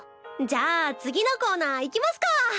じゃあ次のコーナーいきますか。